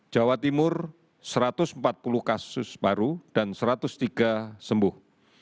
jawa timur satu ratus empat puluh kasus baru dan satu ratus tiga sembuh